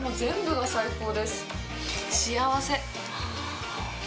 幸せ。